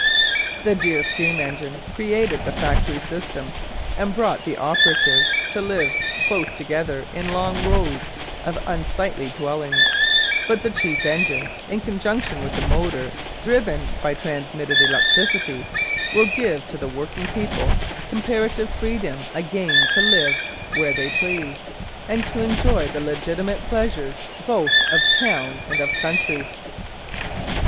The dear steam engine created the factory system and brought the operatives to live close together in long rows of unsightly dwellings, but the cheap engine, in conjunction with the motor driven by transmitted electricity, will give to the working people comparative freedom again to live where they please, and to enjoy the legitimate pleasures both of town and of country.